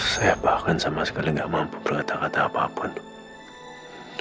saya bahkan sama sekali nggak mampu berkata kata apa apa tuh